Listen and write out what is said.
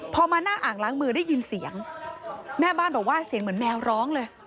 พอมาหน้าอ่างล้างมือได้ยินเสียงแม่บ้านบอกว่าเสียงเหมือนแมวร้องเลย